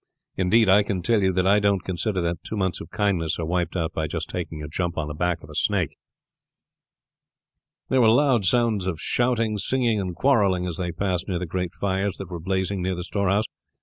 Indeed, I can tell you that I don't consider that two months of kindness are wiped out by just taking a jump on to the back of a snake." There were loud sounds of shouting, singing, and quarreling as they passed near the great fires that were blazing near the storehouse.